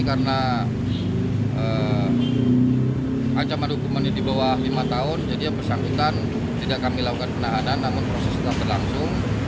karena ancaman hukuman ini di bawah lima tahun jadi yang bersangkutan tidak kami lakukan penahanan namun proses terlangsung